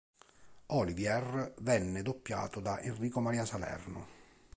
Olivier venne doppiato da Enrico Maria Salerno.